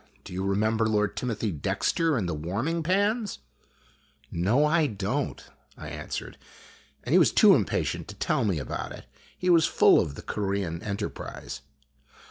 Do you remember Lord Timothy Dexter and the warming pans ?"" No, I don't," I answered, and he was too impatient to tell me about it. He was full of the Corean enterprise.